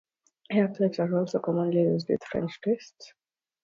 Hair clips are also commonly used with French twists.